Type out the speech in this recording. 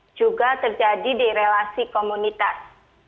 juga terjadi di relasi komunitas